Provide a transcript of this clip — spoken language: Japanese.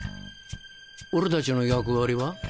俺たちの役割は？